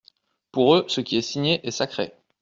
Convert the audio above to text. Pour eux, ce qui est signé est sacré.